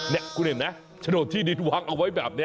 นี่คุณเห็นไหมโฉนดที่ดินวางเอาไว้แบบนี้